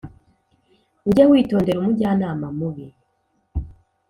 Ujye witondera umujyanama mubi